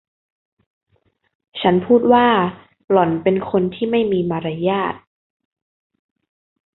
ฉันพูดว่า”หล่อนเป็นคนที่ไม่มีมารยาท”